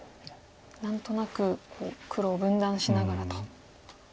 何となく黒を分断しながらと。